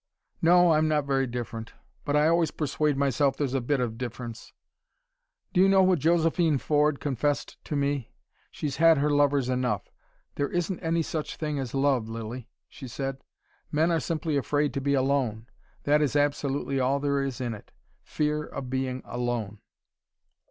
"No, I'm not very different. But I always persuade myself there's a bit of difference. Do you know what Josephine Ford confessed to me? She's had her lovers enough. 'There isn't any such thing as love, Lilly,' she said. 'Men are simply afraid to be alone. That is absolutely all there is in it: fear of being alone.'"